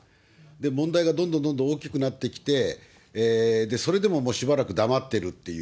問題がどんどんどんどん大きくなってきて、それでもしばらく黙ってるという。